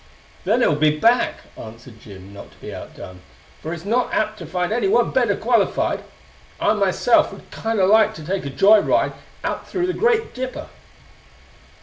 "Then it'll be back," answered Jim, not to be outdone, "for it's not apt to find anyone better qualified. I, myself, would kinda like to take a joy ride out through the Great Dipper."